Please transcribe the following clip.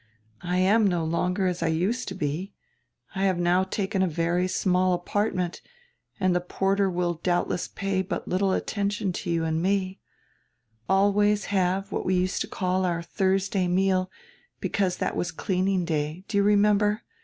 I am no longer as I used to be. I have now taken a very small apartment, and the porter will doubtless pay but little attention to you and me. We shall have to be very economical, always have what we used to call our Thursday meal, because that was cleaning day. Do you remember?